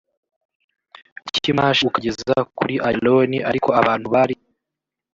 mikimashi ukageza kuri ayaloni ariko abantu bari